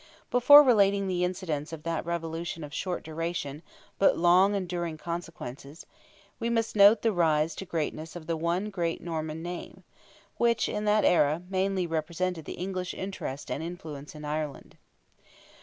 Before relating the incidents of that revolution of short duration but long enduring consequences, we must note the rise to greatness of the one great Norman name, which in that era mainly represented the English interest and influence in Ireland.